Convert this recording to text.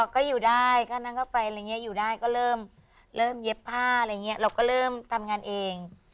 ก็อยู่ได้ก็นั่งข้าวไฟร์อยู่ได้ก็เริ่มเย็บผ้าอะไรอย่างนี้เราเริ่มทำงานเอง